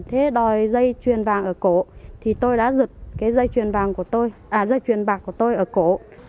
thế đòi dây truyền bạc của tôi ở cổ